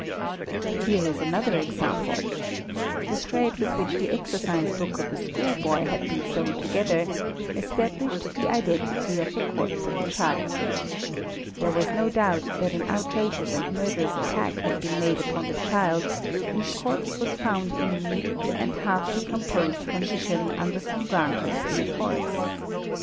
Here is another example: the thread with which the exercise book of a schoolboy had been sewn together established the identity of the corpse of a child. There was no doubt that an outrageous and murderous attack had been made upon the child whose corpse was found in a nude and half decomposed condition under some branches in a forest.